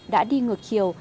đã đi ngược chiều